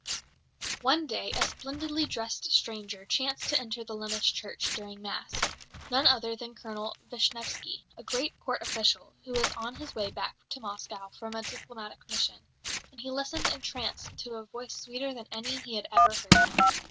One day a splendidly dressed stranger chanced to enter the Lemesh church during Mass none other than Colonel Vishnevsky, a great Court official, who was on his way back to Moscow from a diplomatic mission; and he listened entranced to a voice sweeter than any he had ever heard.